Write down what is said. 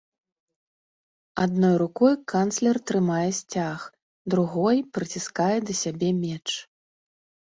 Адной рукой канцлер трымае сцяг, другой прыціскае да сябе меч.